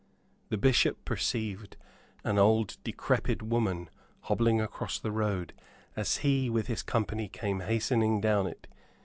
The Bishop perceived an old decrepit woman hobbling across the road, as he with his company came hastening down it.